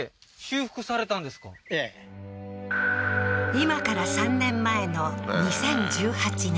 今から３年前の２０１８年